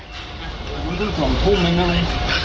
อยู่ที่ส่วนทุ่มนั้นนะเลย